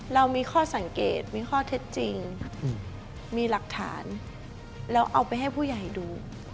เรามีข้อสังเกตมีข้อเท็จจริงมีหลักฐานแล้วเอาไปให้ผู้ใหญ่ดู